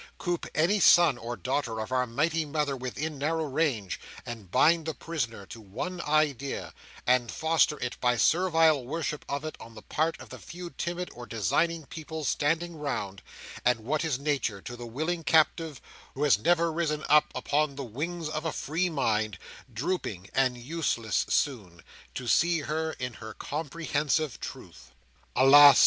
Coop any son or daughter of our mighty mother within narrow range, and bind the prisoner to one idea, and foster it by servile worship of it on the part of the few timid or designing people standing round, and what is Nature to the willing captive who has never risen up upon the wings of a free mind—drooping and useless soon—to see her in her comprehensive truth! Alas!